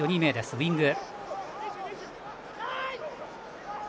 ウイング。